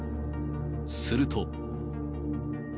すると。